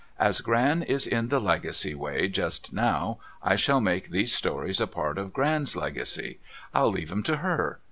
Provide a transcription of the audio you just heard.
As Gran is in the Legacy way just now, I shall make these stories a part of Gran's Legacy. I'll leave 'em to her.